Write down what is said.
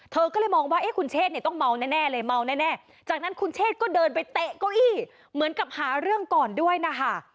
เธอก็เลยมองว่าคุณเชษเนี่ยต้องเมาแน่เลยเมาแน่จากนั้นคุณเชษก็เดินไปเตะเก้าอี้เหมือนกับหาเรื่องก่อนด้วยนะคะ